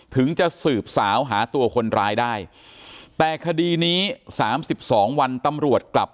ถึงจะสืบสาวหาตัวคนร้ายได้แต่คดีนี้๓๒วันตำรวจกลับ